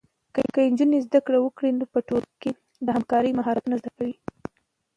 که نجونې زده کړه وکړي، نو په ټولنه کې د همکارۍ مهارتونه زده کوي.